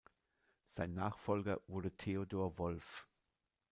Sein Nachfolger wurde Theodor Wolff.